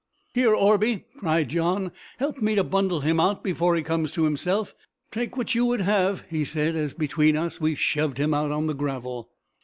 "Here, Orbie!" cried John; "help me to bundle him out before he comes to himself Take what you would have!" he said, as between us we shoved him out on the gravel.